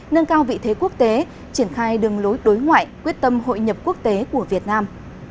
nâng cao vị thế quốc tế triển khai đường lối đối ngoại quyết tâm hội nhập quốc tế của việt nam